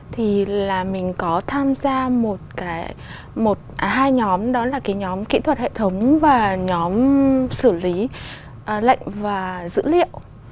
thì là mình có tham gia một cái nhóm đó là cái nhóm kỹ thuật hệ thống và nhóm xử lý lệnh và dữ liệu